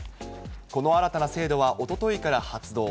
この新たな制度はおとといから発動。